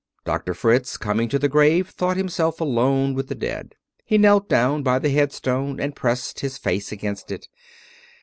Doctor Fritz, coming to the grave, thought himself alone with the dead. He knelt down by the headstone and pressed his face against it.